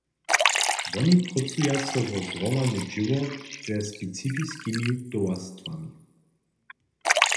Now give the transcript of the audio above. Woni prócuja so wo zhromadne dźěło ze specifiskimi towarstwami.